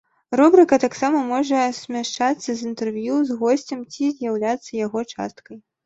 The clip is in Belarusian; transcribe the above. Рубрыка таксама можа сумяшчацца з інтэрв'ю з госцем ці з'яўляцца яго часткай.